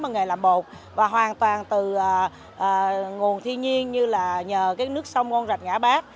bằng nghề làm bột và hoàn toàn từ nguồn thiên nhiên như là nhờ cái nước sông con rạch ngã bác